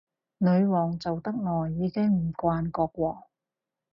女皇做得耐，已經唔慣國王